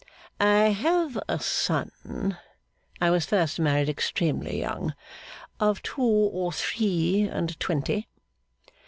I have a son (I was first married extremely young) of two or three and twenty.